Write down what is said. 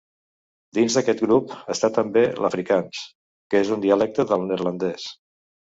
Dins d'aquest grup està també l'afrikaans, que és un dialecte del neerlandès.